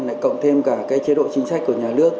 lại cộng thêm cả cái chế độ chính sách của nhà nước